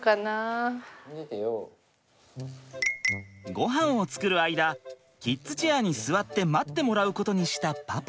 ごはんを作る間キッズチェアに座って待ってもらうことにしたパパ。